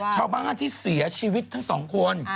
ชาวบ้านที่เสียชีวิตทั้งสองคน